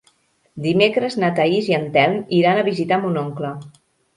Dimecres na Thaís i en Telm iran a visitar mon oncle.